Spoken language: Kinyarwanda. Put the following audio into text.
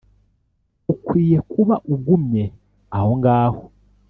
ukwiye kuba ugumye aho ngaho.